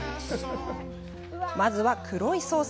まずは、黒いソース。